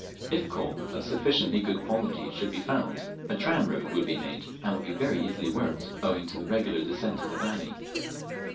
If coal of sufficiently good quality should be found, a tramroad would be made, and would be very easily worked, owing to the regular descent of the valley.